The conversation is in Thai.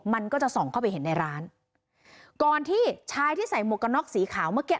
มันก็จะส่องเข้าไปเห็นในร้านก่อนที่ชายที่ใส่หมวกกันน็อกสีขาวเมื่อกี้